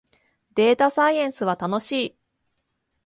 データサイエンスは楽しい